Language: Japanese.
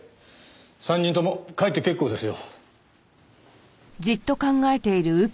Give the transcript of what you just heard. ３人とも帰って結構ですよ。